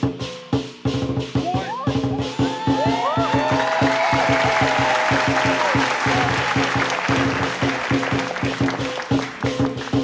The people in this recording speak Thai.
เฮนกับตา